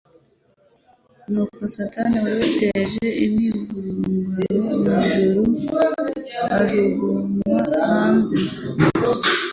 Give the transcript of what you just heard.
nuko Satani wari wateje imivururugano mu ijuru ajuguruywa hanze.